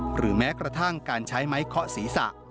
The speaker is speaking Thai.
หรือแม้กระทั่งการใช้ไม้เคาะศีรษะ